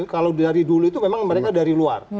kalau dari dulu itu memang mereka dari luar